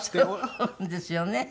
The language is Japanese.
そうなんですよね。